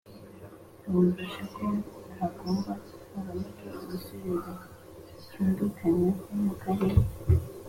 abumvisha ko hagomba haboneka igisubizo cyumvikanyweho mu karere,